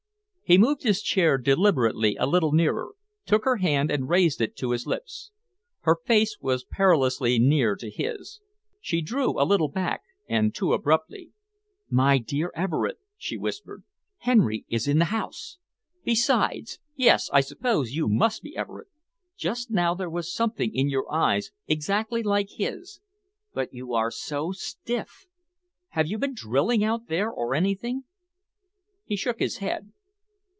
He moved his chair deliberately a little nearer, took her hand and raised it to his lips. Her face was perilously near to his. She drew a little back and too abruptly. "My dear Everard," she whispered, "Henry is in the house! Besides Yes, I suppose you must be Everard. Just now there was something in your eyes exactly like his. But you are so stiff. Have you been drilling out there or anything?" He shook his head.